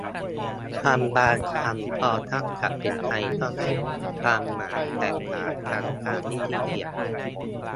คำบางคำ พอทับศัพท์เป็นไทยก็ได้ความหมายแตกต่างกันตามวิธีเขียน